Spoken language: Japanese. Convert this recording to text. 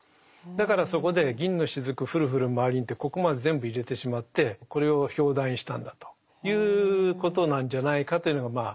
だからそこで「銀の滴降る降るまわりに」ってここまで全部入れてしまってこれを表題にしたんだということなんじゃないかというのがまあ